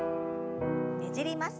ねじります。